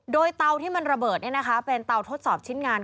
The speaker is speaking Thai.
โดยเตาที่มันระเบิดเป็นเตาทดสอบชิ้นงาน